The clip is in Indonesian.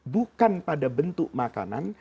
bukan pada bentuk makanan